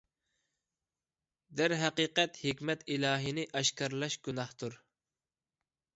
دەرھەقىقەت، ھېكمەت ئىلاھىنى ئاشكارىلاش گۇناھتۇر.